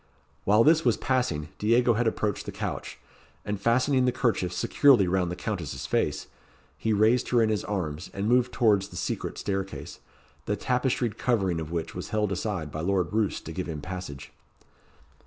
While this was passing, Diego had approached the couch; and fastening the kerchief securely round the Countess's face, he raised her in his arms, and moved towards the secret staircase, the tapestried covering of which was held aside by Lord Roos to give him passage.